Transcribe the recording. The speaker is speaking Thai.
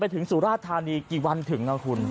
ถึงสุราธานีกี่วันถึงนะคุณ